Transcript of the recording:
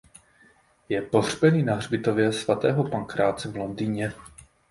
Je pohřbený na Hřbitově svatého Pankráce v Londýně.